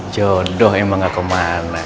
jodoh emang ga kemana